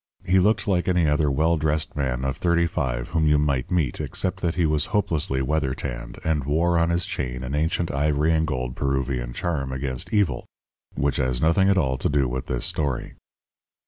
He looked like any other well dressed man of thirty five whom you might meet, except that he was hopelessly weather tanned, and wore on his chain an ancient ivory and gold Peruvian charm against evil, which has nothing at all to do with this story.